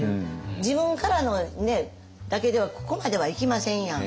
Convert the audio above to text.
自分からのねだけではここまではいきませんやん。